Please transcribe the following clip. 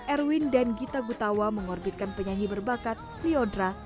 erwin dan gita gutawa mengorbitkan penyanyi berbakat leodra